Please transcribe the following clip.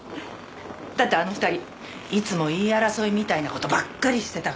だってあの２人いつも言い争いみたいな事ばっかりしてたから。